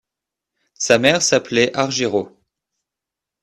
Sa mère s'appelait Argiro.